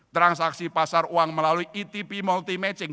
transaksi pasar uang melalui etp multi matching